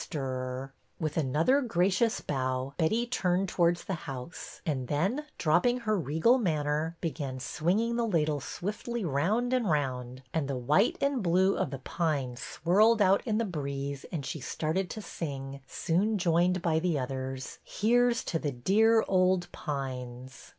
148 BETTY BAIRD'S VENTURES With another gracious bow Betty turned to wards the house and then, dropping her regal manner, began swinging the ladle swiftly round and round, and the white and blue of The Pines swirled out in the breeze and she started to sing, soon joined by the others, —'' Here 's to the dear old Pines